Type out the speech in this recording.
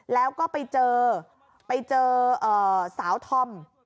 แล้วก็ไปเจอไปเจอสาวธอม